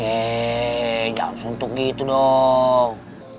yeee jangan suntuk gitu dong